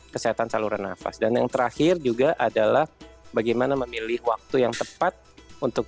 kesehatan saluran nafas dan yang terakhir juga adalah bagaimana memilih waktu yang tepat untuk